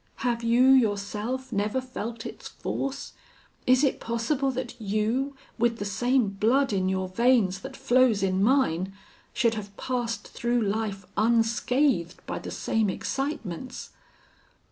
Have you yourself never felt its force? Is it possible that you, with the same blood in your veins that flows in mine, should have passed through life unscathed by the same excitements?